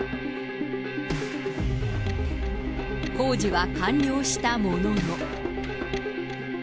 工事は完了したものの。